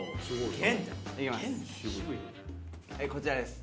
こちらです。